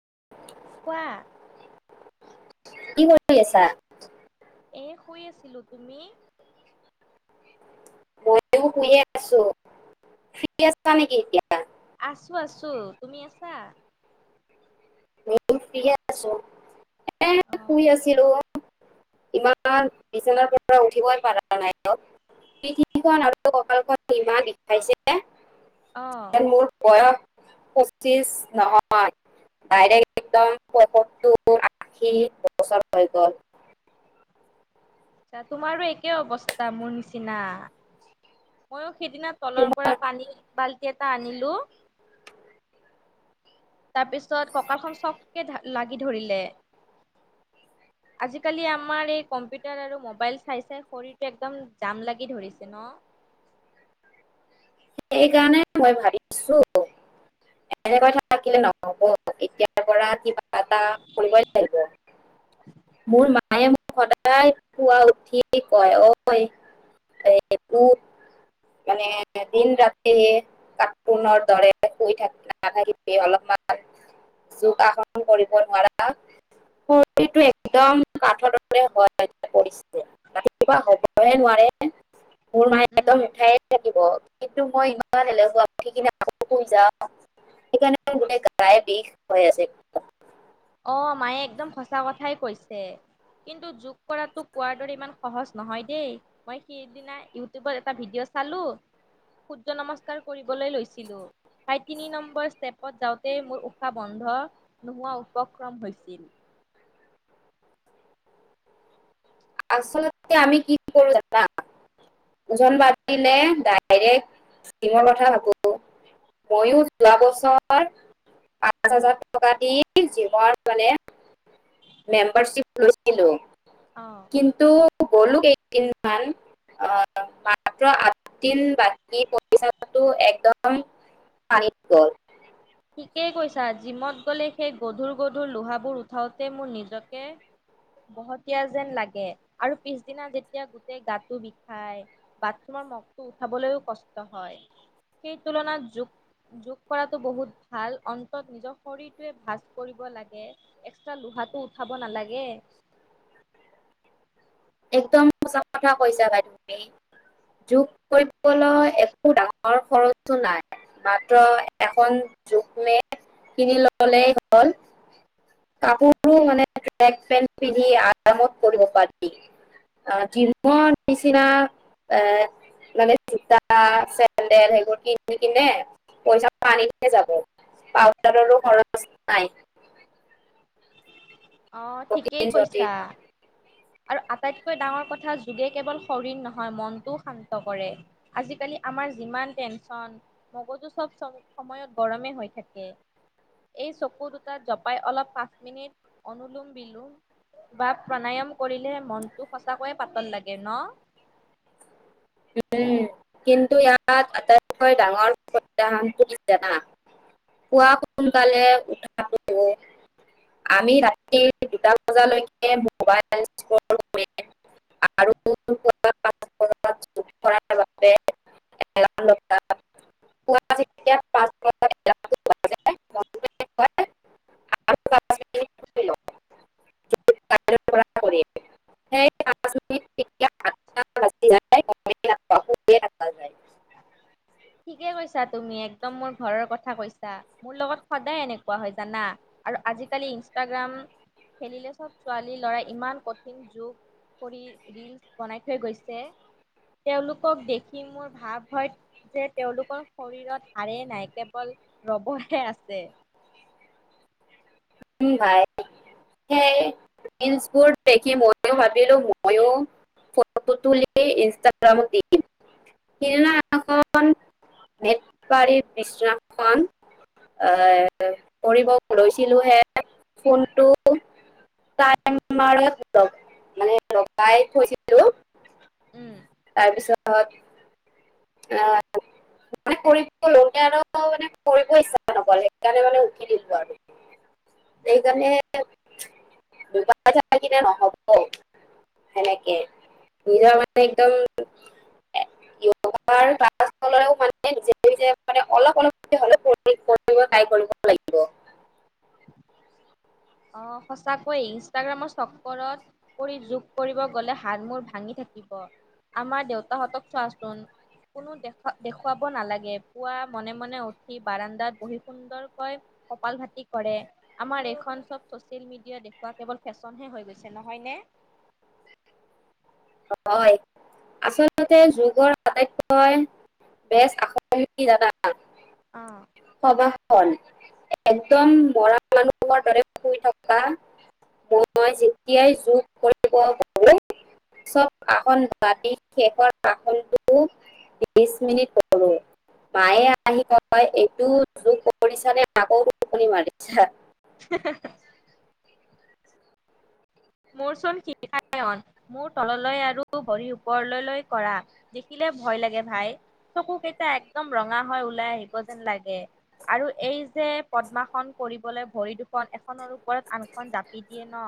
[unintelligible] কোৱা কি কৰি আছা? এ শুই আছিলো তুমি? মই শুইয়ে আছো। ফ্ৰী আছা নেকি এতিয়া? আছো, আছো, তুমি আছা। মইয়ো ফ্ৰী আছো। এ অ শুই আছিলো। ইমান বিচনাৰ পৰা উঠিবই পাৰা নাই। আৰু কঁকালখন ইমান বিষাইছে। মোৰ বয়স পচিছ নহয় ডাইৰেক্ট একদম সত্তৰ, আশী বছৰ হৈ গ'ল। আচ্ছা্ তোমাৰো একে অৱস্থা মোৰ নিচিনা, মইয়ো সেইদিনা তলৰ তোমাৰ পৰা পানী বাল্টি এটা আনিলো। তাৰ পিছত কঁকালখন চককে লাগি ধৰিলে আজিকালি আমাৰ এই কম্পিউটাৰ আৰু মোবাইল চাই চাই শৰীৰটো একদম জাম লাগি ধৰিছে ন'। সেইকাৰণে মই ভাবিছো এনেকৈ থাকিলে নহ'ব এতিয়াৰ পৰা কিবা এটা কৰিবই লাগিব মোৰ মায়ে মোক সদায় পুৱা উঠি কয় [unintelligible] ঐ টো মানে দিন ৰাতি কাখোনৰ দৰে শুই থাক নাথাক অলপমান যোগাসন কৰিব নোৱাৰা শৰীৰটো একদম কাঠ দৰে পৰিছে কিবা হ'বহে নোৱাৰে মোৰ মায়ে উম একদম উঠাই লাগিব কিন্তু মই ইমান এলেহুৱা উঠি কিনে আকৌ শুই যাওঁ সেইকাৰণে গোটেই গাই বিষ হৈ আছে। অ', মায়ে একদম সঁচা কথাই কৈছে কিন্তু যোগ কৰাটো কোৱাৰ দৰে ইমান সহজ নহয় দেই, মই সিদিনা ইউটিউবত এটা ভিডিঅ' চালো, সূৰ্য নমস্কাৰ কৰিবলৈ লৈছিলো তাই তিনি নম্বৰ ষ্টেপত যাওঁতে মোৰ উশাহ বন্ধ নোহোৱা উ উপক্ৰম হৈছিল। আচলতে আমি কি কৰোঁ জানা ওজন বাঢ়িলে ডাইৰেক্ট জিমৰ কথা ভাবো ময়ো যোৱা বছৰ পাঁচ হাজাৰ টকা দি জিমৰ মানে মেম্বাৰিপ লৈছিলো। অ'। কিন্তু গ'লো কেইদিনমান আহ, মাত্ৰ আঠদিন বাকী পইচাটো একদম পানীত গ'ল। ঠিকেই কৈছা, জিমত গ'লে সেই গধুৰ গধুৰ লোহাবোৰ উঠাওতে মোৰ নিজকে বহতীয়া যেন লাগে আৰু পিছদিনা যেতিয়া গোটেই গাটো বিষাই বাথৰুমৰ মগটো উঠাবলৈও কষ্ট হয় সেই তুলনাত যোগ, যোগ কৰাতটো বহুত ভাল অন্তত নিজৰ শৰীৰটোৱে ভাজ কৰিব লাগে এক্সট্ৰা লোহাটো উঠাব নালাগে। একদম সঁচা কথা কৈছা বাই তুমি, যোগ কৰিবলৈ একো ডাঙৰ খৰচো নাই, মাত্ৰ এখন যোগ মেট কিনি ল'লেই হ'ল, কাপোৰো মানে ট্ৰেক পেণ্ট পিন্ধি আৰামত কৰিব পাৰি আ, জিমৰ নিচিনা এ, মানে জোতা, চেন্দেল সেইবোৰ কিনি কিনে পইচা পানীতহে যাব, পাউদাৰৰো খৰচ নাই। অ', প্ৰটিন ঠিকেই কৈছা, চটিন আৰু আটাইতকৈ ডাঙৰ কথা যোগে কেৱল শৰীৰ নহয়, মনটোও শান্ত কৰে। আজিকালি আমাৰ যিমান টেনচন মগজু চব-চ সময়ত গৰমে হৈ থাকে, এই চকু দুটাত জপাই অলপ পাঁচ মিনিট অনলোম, বিলোম বা প্ৰাণায়াম কৰিলে মনটো সঁচাকৈয়ে পাতল লাগে ন? উম, কিন্তু ইয়াত আটাইতকৈ ডাঙৰ [unintelligible] জানা, পুৱা সোনকালে উঠাটো, আমি ৰাতি দুটা বজালৈকে মোবাইল আৰু [unintelligible] [unintelligible] [unintelligible] ঠিকে কৈছা তুমি একদম মোৰ ঘৰৰ কথা কৈছা, মোৰ লগত সদায় এনেকুৱা হয়, জানা? আৰু আজিকালি ইনষ্টাগ্ৰাম খেলিলে চব ছোৱালী ল'ৰাই ইমান কঠিন যোগ কৰি ৰীলচ বনাই থৈ গৈছে তেওঁলোকক দেখি মোৰ ভাৱ হয় যে, তেওঁলোকৰ শৰীৰত হাড়ে নাই কেৱল ৰবৰহে আছে। [unintelligible] ৰীলচবোৰ দেখি ময়ো ভাবিলোঁ ময়ো ফটো তুলি ইনষ্টাগ্ৰামত দিম সিদিনা [unintelligible] আ, কৰিব লৈছিলোঁ হে ফোনটো টাইমাৰত ল-মানে লগাই থৈছিলোঁ উম, তাপিছত এ, মানে কৰিব লওঁতে আৰু মানে কৰিব ইচ্ছা নগ'ল সেইকাৰণে মানে উঠি দিলো আৰু সেইকাৰণে [unintelligible] নহ'ব সেনেকে নিজৰ মানে একদম [unintelligible] [unintelligible] অলপ, অলপকে হলেওঁ [unintelligible] ট্ৰাই কৰিব লাগিব। অ', সঁচাকৈয় ইনষ্টাগ্ৰামৰ চকৰত পৰি যোগ কৰিব গ'লে হাত, মূৰ ভাঙি থাকিব আমাৰ দেউতাহঁতক চোৱাচোন, কোনো দেখু-দেখুৱাব নালাগে পুৱা মনে, মনে উঠি বাৰাণ্ডাত বহি সুন্দৰকৈ কপাল ভাটি কৰে, আমাৰ এইখন চব ছচিয়েল মিডিয়া দেখুওৱা কেৱল ফেশ্বনহে হৈ গৈছে নহয়নে? হয়, আচলতে যোগৰ আটাইতকৈ বেষ্ট আসন কি জানা? অ'। [unintelligible] একদম মৰা মানুহৰ দৰে শুই থকা, মই যেতিয়াই যোগ কৰিব পাৰোঁ চব আসন শেষৰ আসনটো বিশ মিনিট কৰোঁ, মায়ে আহি কয় এইটো যোগ কৰিছা নে আকৌ টোপনি মাৰিছা? মোৰ চোন শায়ন মূৰ তললৈ আৰু ভৰিৰ ওপৰলৈলৈ কৰা দেখিলে ভয় লাগে ভাই চকু কেইটা একদম ৰঙা হৈ ওলাই আহিব যেন লাগে আৰু এই যে, পদ্মাসন কৰিবলৈ ভৰি দুখন এখনৰ ওপৰত আনখন জাপি দিয়ে ন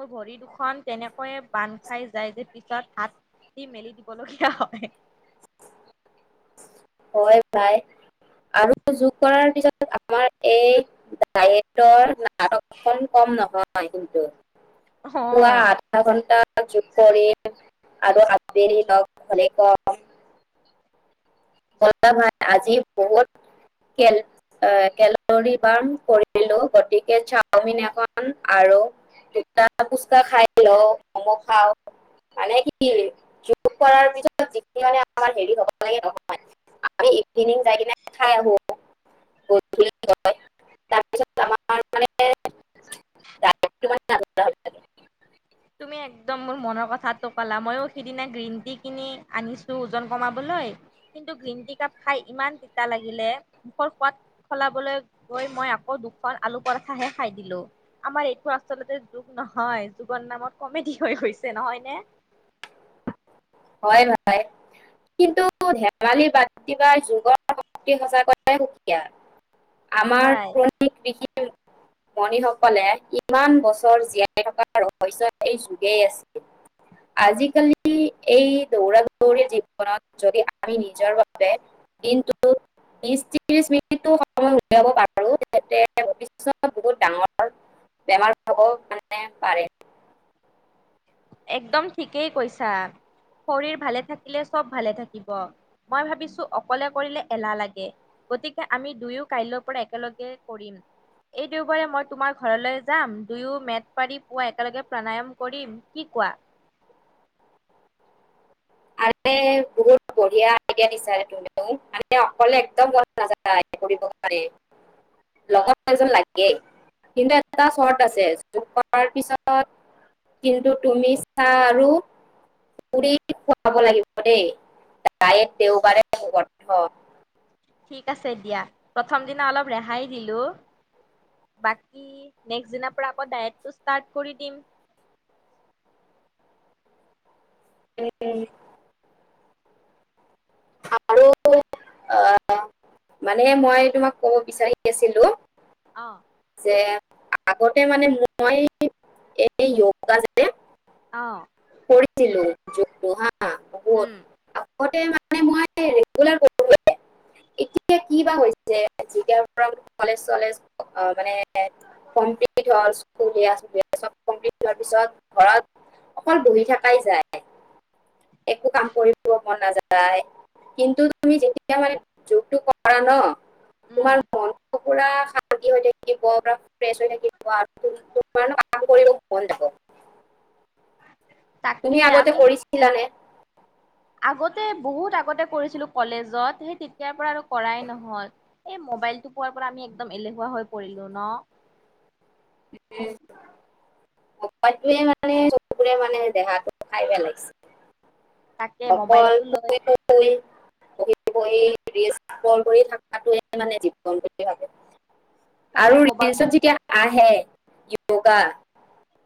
মোৰ ভৰি দুখন তেনেকৈয়ে বান্ধ খাই যায় যে, পিছত হাতদি মেলি দিবলগীয়া হয়। হয়, ভাই আৰু যোগ কৰাৰ পিছত আমাৰ এই ডায়েটৰ নাটকখন কম নহয়, কিন্তু। পুৱা অ'। আধা ঘন্টা যো [unintelligible] আজি বহুত কেল অ', [unintelligible] [unintelligible] আৰু দুটা পুচকা খাই লওঁ, মম খাওঁ মানে কি যোগ কৰাৰ পিছত যিখিনি মানে আমাৰ হেৰি হব লাগে। [inaudible] তুমি একদম মোৰ মনৰ কথাটো ক'লা, ময়ো সিদিনা গ্ৰীণ টি কিনি আনিছো। ওজন কমাবলৈ কিন্তু গ্ৰীণ টি কাপ খাই ইমান তিতা লাগিলে মুখৰ সোৱাদ সলাবলৈ গৈ মই আকৌ দুখন আলু পৰঠাহে খাই দিলো, আমাৰ এইটো আচলতে যোগ নহয়। জীৱন নামত কমেডি হৈ গৈছে। নহয় নে? হয় কিন্তু ধেমালি বাদ দিবা যুগৰ শক্তি সচাকৈয়ে সুকীয়া। আমাৰ সঁচাই [unintelligible] মনিসকলে ইমান বছৰ জীয়াই থকা ৰহস্য এই যোগেই আছিল। আজিকালি, এই দৌৰা-দৌৰি জীৱনত যদি আমি নিজৰ বাবে দিনটো বিশ-ত্ৰিশ মিনিটো সময় উলিয়াব পাৰো, তেন্তে ভৱিষ্যত বহুত ডাঙৰ বেমাৰ নহব মানে পাৰে। একদম ঠিকেই কৈছা, শৰীৰ ভালে থাকিলে চব ভালে থাকিব। মই ভাবিছো অকলে কৰিলে এলাহ লাগে, গতিকে আমি দুয়ো কাইলৈৰ পৰা একেলগে কৰিম। এই দেওবাৰে মই তোমাৰ ঘৰলৈ যাম দুয়ো মেট পাৰি পুৱা একেলগে প্ৰাণায়াম কৰিম। কি কোৱা? আৰে বহুত বঢ়িয়া আইডিয়া দিচা দেখোন তুমি মোক, মানে অকলে একদম মন নাযায় কৰিব বাবে, লগত এজন লাগেই কিন্তু এটা এটা চৰ্ট আছে যোগ হোৱাৰ পিছত কিন্তু তুমি চাহ আৰু পুৰি খাব লাগিব দেই, ডায়েট দেওবাৰে বন্ধ। ঠিক আছে দিয়া, প্ৰথম দিনা অলপ ৰেহাই দিলো বাকি নেক্সট দিনাৰ পৰা আকৌ ডাইটটো ৰ্ষ্টাট কৰি দিম। উম। অ' মানে মই তোমাক ক'ব বিচাৰি আছিলো। অ', যে আগতে মানে মই এই য়োগা যে অ', কৰিছিলো। যোগ টো হা আ বহুত উম, আগতে মানে মই [unintelligible] ৰেগুলাৰ কৰিব [unintelligible] এতিয়া কি বা হৈছে যেতিয়াৰ পৰা কলেজ চলেজ অ, মানে কমপ্লিট হ'ল স্কুল [unintelligible] চব কমপ্লিট হোৱাৰ পিছত ঘৰত অকল বহি থাকাই যায়। একো কাম কৰিব মন নাযায় কিন্তু তুমি যেতিয়া মানে যোগটো কৰা ন' উম, তোমাৰ মনটো পূৰা শান্তি হৈ থাকিব পূৰা ফ্ৰেছ হৈ থাকিব আৰু খুব তোমাৰ কাম কৰিব মন যাব। তাকে তুমি আগতে আমি কৰিছিলা নে? [inaudible] আগতে বহুত আগতে কৰিছিলো কলেজত সেই তেতিয়াৰ পৰা আৰু কৰাই নহল এই মবাইলটো পোৱাৰ পৰা আমি একদম এলেহুৱা হৈ পৰিলো ন'? মোবাইলইটোৱে মানে চকুৰে মানে দেহাটো খাই তাকে পেলাইছে। অকল মোবাইলটো লৈ শুই-শুই, বহি-বহি ৰীল স্ক্ৰল কৰি থাকাটোৱে মানে জীৱন বোলি ভাৱো। তাকে আৰু ক'বাত ৰীলচত যেতিয়া আহে য়োগা।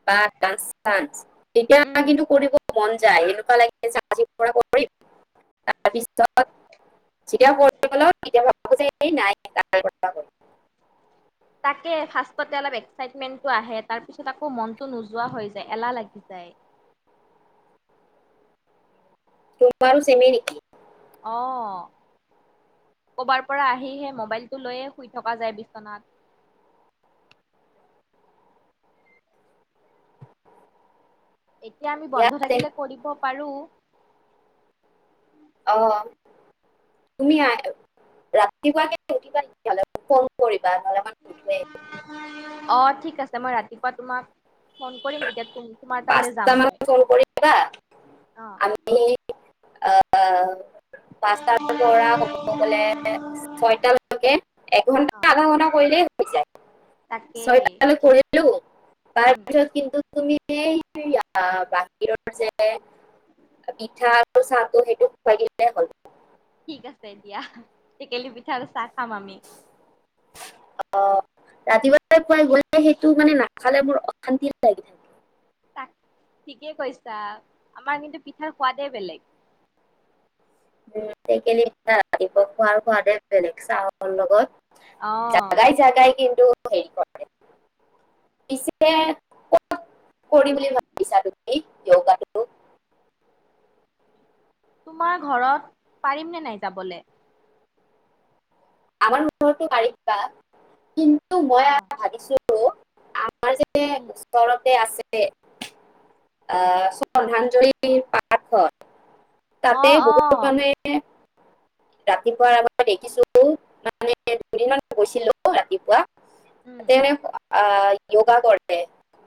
বা ডান্স-চাঞ্চ তেতিয়া উম কিন্তু কৰিব। মন যায়, এনেকুৱা লাগে যে আজিৰ পৰা কৰিম। তাৰপিছত যেতিয়া কৰিব লওঁ ভাবো যে এই নাই কাইলৈৰ পৰা কৰিম। তাকে, ফাৰ্ষ্টতে অলপ এক্সাইটমেন্টটো আহে। তাৰ পিছত আকৌ মনটো নোযোৱা হৈ যায় এলাহ লাগি যায়। তোমাৰো চেমে নেকি? অ' ক'বাৰ পৰা আহিহে মোবাইলটো লৈয়ে শুই থকা যায় বিচনাত। এতিয়া আমি বন্ধ ইয়াত থাকিলে কৰিব পাৰো। অ' তুমি আহ ৰাতিপুৱা উঠিবা তেতিয়া হ'লে ফোন কৰিম। অ' ঠিক [unintelligible] আছে মই ৰাতিপুৱা তোমাক ফোন কৰিম তেতিয়া তুম তোমাৰ তালৈ যাম পাঁচটা মই মানত ফোন কৰিবা অ' আমি অ' অ'। পাঁচটাৰ পৰা ক'ব গলে ছয়টালৈকে এঘন্টা অ' আধা ঘন্টা কৰিলেই [unintelligible] তাকেই ছয়টো কৰিলো তাৰ উম। কিন্তু তুমি যে বাহিৰৰ যে পিঠা আৰু চা টো সেইটো খুৱাই দিলে হল। ঠিক আছে দিয়া টেকেলি পিঠা চাহ খাম আমি। অ ৰাতিপুৱাই পুৱাই গলে সেইটো মানে নাখালে মোৰ অশান্তি লাগি থাকে। ঠিকে কৈছা আমাৰ কিন্তু পিঠাৰ সোৱাদেই বেলেগ। [unintelligible] ৰাতিপুৱা খোৱাৰ সোৱাদে বেলেগ চাৰ লগত অ জাগাই জাগাই কিন্তু হ কৰে পিছে কত কৰিম বুলি ভাবিছা তুমি যোগাটো? তোমাৰ ঘৰত পাৰিমনে নাই যাবলৈ। আমাৰ ঘৰতো পাৰিবা কিন্তু মই অ'। ভাবিছো আমাৰ যে উম উচৰতে আছে আহ শ্ৰদ্ধাঞ্জলি পাঠ হয় অ তাতে অ বহুত মানুহে ৰাতিপুৱা আমাৰ দেখিছো মানে দুদিন গৈছিলো ৰাতিপুৱা। উম তেনে আহ য়োগা কৰে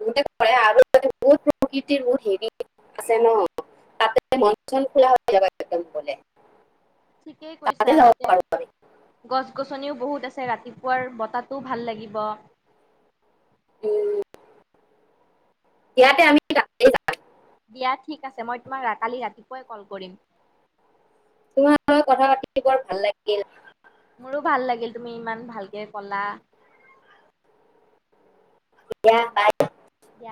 বতে কৰে আৰু তাতে বহত প্ৰকৃতিৰ হেৰি আছে ন তাতে মন চন খোলা হৈ যাব একদম কলে। ঠিকেই কৈছা তাতে গছ গছনিও বহুত আছে ৰাতিপুৱাৰ বতাত টো ভাল লাগিব। ইয়াতে আমি যাম পুৱাই কল কৰিম। তোমাৰ লগত কথা পাতি বৰ ভাল লাগিল মোৰো ভাল লাগিল তুমি ইমান ভালকে কলা। দিয়া বায়। দিয়া